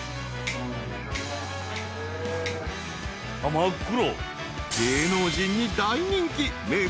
真っ黒。